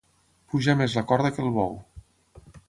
Pujar més la corda que el bou.